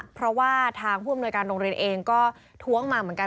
เพราะว่าทางผู้อำนวยการโรงเรียนเองก็ท้วงมาเหมือนกัน